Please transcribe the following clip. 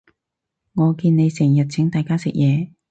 我見你成日請大家食嘢